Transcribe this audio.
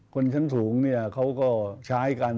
คนของข้างสูงเขาก็ใช้กัน